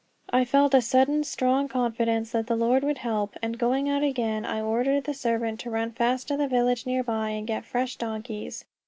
I felt a sudden, strong confidence that the Lord would help, and going out again I ordered the servant to run fast to the village near by and get fresh donkeys.